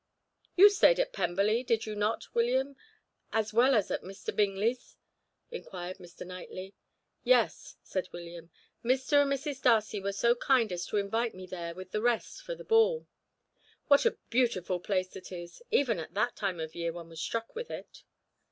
"You stayed at Pemberley, did you not, William, as well as at Mr. Bingley's?" inquired Mr. Knightley. "Yes," said William. "Mr. and Mrs. Darcy were so kind as to invite me there with the rest, for their ball. What a beautiful place it is! Even at that time of year one was struck with it."